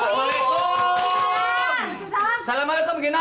salam assalamualaikum gino